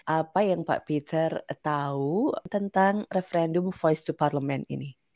apa yang pak peter tahu tentang referendum voice to parlement ini